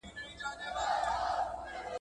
• هر څوک د خپلي لمني اور وژني.